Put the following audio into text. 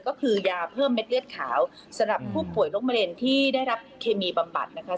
ก็คือยาเพิ่มเม็ดเลือดขาวสำหรับผู้ป่วยโรคมะเร็งที่ได้รับเคมีบำบัดนะคะ